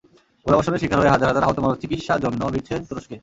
গোলাবর্ষণে শিকার হয়ে হাজার হাজার আহত মানুষ চিকিৎসা জন্য ভিড়ছে তুরস্কে।